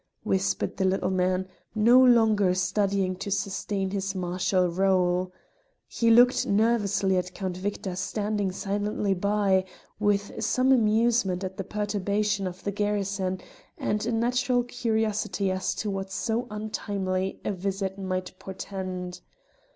whispered the little man, no longer studying to sustain his martial rôle. He looked nervously at Count Victor standing silently by, with some amusement at the perturbation of the garrison and a natural curiosity as to what so untimely a visit might portend.